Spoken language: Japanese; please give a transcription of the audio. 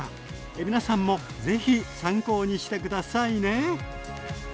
皆さんも是非参考にして下さいね。